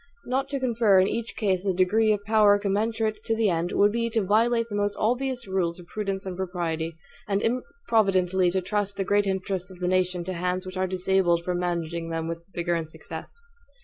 Not to confer in each case a degree of power commensurate to the end, would be to violate the most obvious rules of prudence and propriety, and improvidently to trust the great interests of the nation to hands which are disabled from managing them with vigor and success.